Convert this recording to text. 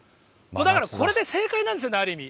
だから、これで正解なんですよね、ある意味。